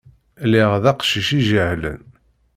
Lliɣ d aqcic ijehlen.